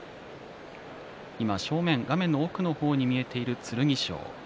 今、正面、画面の奥の方に見えている剣翔